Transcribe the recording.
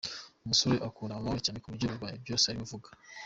Umusore ukunda mama we cyane kuburyo ikibaye cyose ariwe avuga.